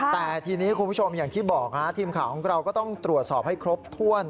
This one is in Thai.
แต่ทีนี้คุณผู้ชมอย่างที่บอกทีมข่าวของเราก็ต้องตรวจสอบให้ครบถ้วน